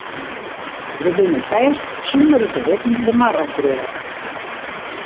We binne fêst sûnder it te witten de mar opdreaun.